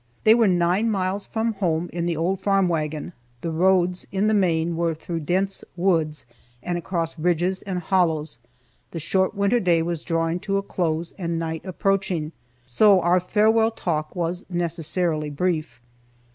They were nine miles from home, in the old farm wagon, the roads (in the main) were through dense woods, and across ridges and hollows, the short winter day was drawing to a close and night approaching, so our farewell talk was necessarily brief.